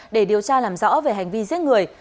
để điều tra làm rõ về hành vi giết người